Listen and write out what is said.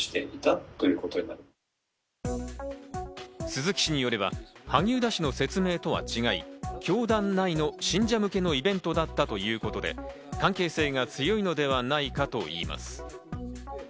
鈴木氏によれば、萩生田氏の説明とは違い、教団内の信者向けのイベントだったということで、関係性が強いのではないかといいます。